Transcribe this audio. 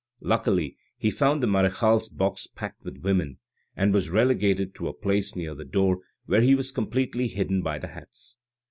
Luckily he found the marechale's box packed with women, and was relegated to a place near the door where he was completely hidden by the hats.